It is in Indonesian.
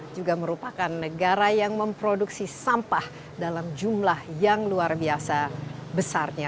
juga merupakan negara yang memproduksi sampah dalam jumlah yang luar biasa besarnya